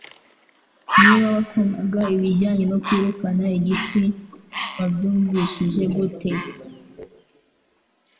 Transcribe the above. Niba wasomaga ibijyanye no Kwirukana igishwi wabyumvishije gute